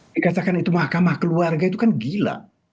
dikatakan itu mahkamah keluarga itu kan gila